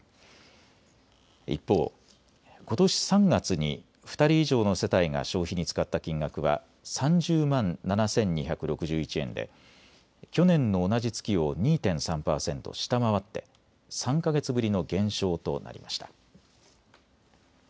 一方、ことし３月に２人以上の世帯が消費に使った金額は３０万７２６１円で去年の同じ月を２．３％下回って３か月ぶりの減少となりました。